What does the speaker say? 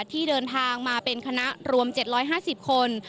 ที่เดินทางมาเป็นคณะรวม๗๕๐คน